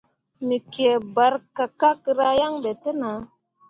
Me kǝǝ barkakkera yan ɓe te nah.